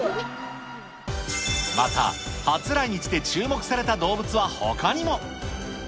また、初来日で注目された動物はほかにも。